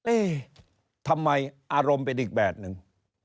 เอ๊ะทำไมอารมณ์เป็นอีกแบบหนึ่ง